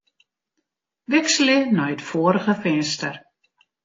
Wikselje nei it foarige finster.